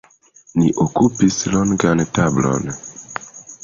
Ni okupis longan tablon.